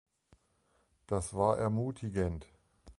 Das war ermutigend.